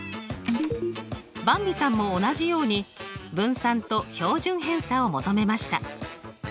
ばんびさんも同じように分散と標準偏差を求めました。